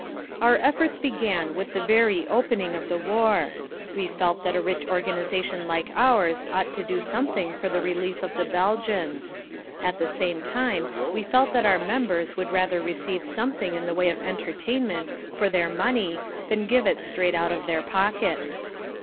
Our efforts began with the very opening of the war. We felt that a rich organisation like ours ought to do something for the relief of the Belgians. At the same time we felt that our members would rather receive something in the way of entertainment for their money than give it straight out of their pockets.